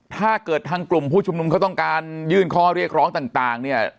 ถ้าเกิดทางกลุ่มผู้ชุมนุมเขาต้องการยื่นข้อเรียกร้องต่างเนี่ย